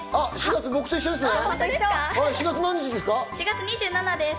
僕と一緒ですね。